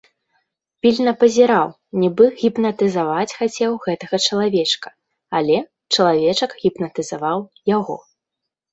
Пільна пазіраў, нібы гіпнатызаваць хацеў гэтага чалавечка, але чалавечак гіпнатызаваў яго.